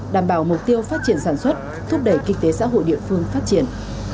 đảm bảo mục tiêu phát triển sản xuất thúc đẩy kinh tế xã hội địa phương phát triển